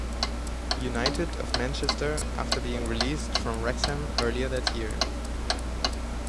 United of Manchester after being released from Wrexham earlier that year.